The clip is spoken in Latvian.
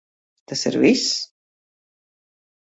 Tas ir viss?